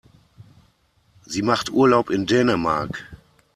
Sie macht Urlaub in Dänemark.